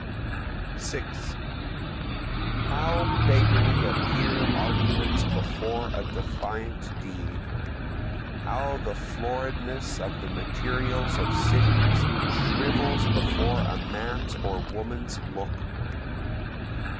6 How beggarly appear arguments before a defiant deed! How the floridness of the materials of cities shrivels before a man's or woman's look!